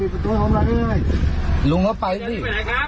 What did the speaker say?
เอ้าไปพูดอย่างนี้ได้ยังไง